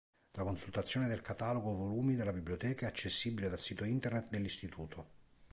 La consultazione del catalogo volumi della biblioteca è accessibile dal sito internet dell'Istituto.